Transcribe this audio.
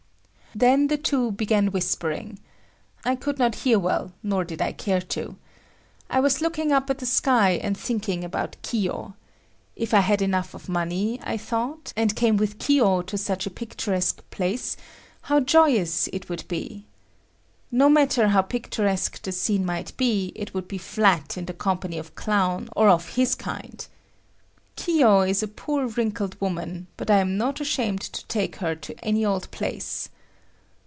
Then the two began whispering. I could not hear well, nor did I care to. I was looking up at the sky and thinking about Kiyo. If I had enough of money, I thought, and came with Kiyo to such a picturesque place, how joyous it would be. No matter how picturesque the scene might be, it would be flat in the company of Clown or of his kind. Kiyo is a poor wrinkled woman, but I am not ashamed to take her to any old place.